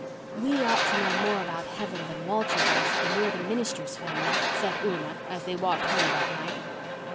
"We ought to know more about heaven than Walter does when we're the minister's family," said Una, as they walked home that night.